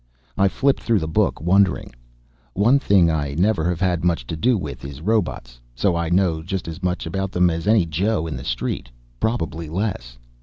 I flipped through the book, wondering. One thing I never have had much to do with is robots, so I know just as much about them as any Joe in the street. Probably less.